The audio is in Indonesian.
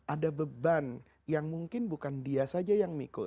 ada beban yang mungkin bukan dia saja yang mikul